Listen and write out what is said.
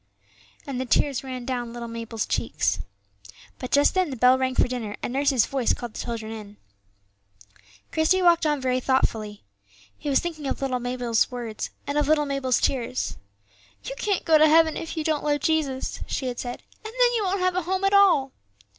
and the tears ran down little Mabel's cheeks. But just then the bell rang for dinner, and nurse's voice called the children in. Christie walked on very thoughtfully. He was thinking of little Mabel's words, and of little Mabel's tears. "You can't go to heaven if you don't love Jesus," she had said; "and then you won't have a home at all."